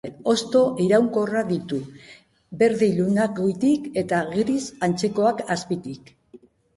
Hosto iraunkorrak ditu, berde ilunak goitik eta gris antzekoak azpitik.